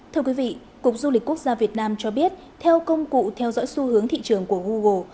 thưa quý vị cục du lịch quốc gia việt nam cho biết theo công cụ theo dõi xu hướng thị trường của google